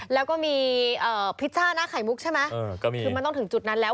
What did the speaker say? แล้วก็มีพิชช่าหน้าไข่มุกใช่ไหมคือมันต้องถึงจุดนั้นแล้ว